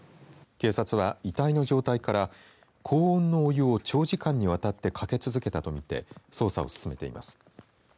警察は、遺体の状態から高温のお湯を長時間にわたってかけ続けたとみて捜査を進めています。